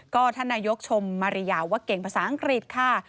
ก็ท่านนายกชมมาริยาว่าเก่งภาษาอังกฤษค่ะ